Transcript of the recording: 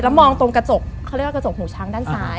มองตรงกระจกเขาเรียกว่ากระจกหูช้างด้านซ้าย